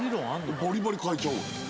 バリバリ変えちゃおう。